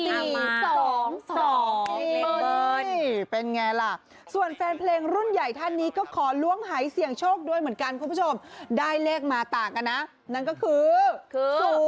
นี่เป็นไงล่ะส่วนแฟนเพลงรุ่นใหญ่ท่านนี้ก็ขอล้วงหายเสี่ยงโชคด้วยเหมือนกันคุณผู้ชมได้เลขมาต่างกันนะนั่นก็คือคือ